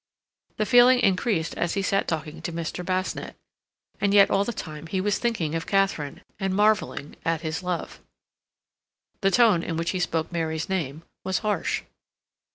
The feeling increased as he sat talking to Mr. Basnett. And yet all the time he was thinking of Katharine, and marveling at his love. The tone in which he spoke Mary's name was harsh.